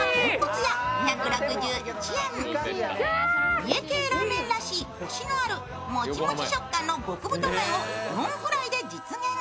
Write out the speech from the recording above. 家系ラーメンらしいコシのあるモチモチ食感の極太麺をノンフライで実現。